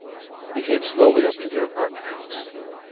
He came slowly up to their apartment house.